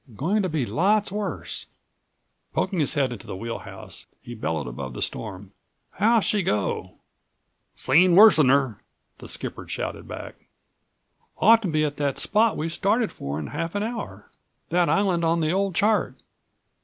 "Going to be lots worse." Poking his head into the wheel house, he bellowed above the storm: "How's she go?" "Seen worse'n 'er," the skipper shouted back. "Ought to be at the spot we started for in half an hour—that island on the old chart."